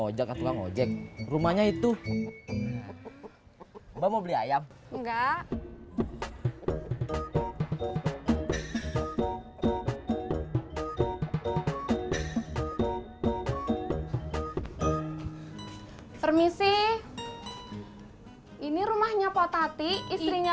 ojak tukang ojek rumahnya itu mau beli ayam enggak permisi ini rumahnya pak tati istrinya